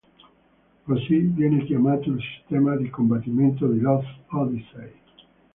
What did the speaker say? Così viene chiamato il sistema di combattimento di Lost Odyssey.